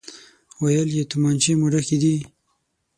ويې ويل: توپانچې مو ډکې دي؟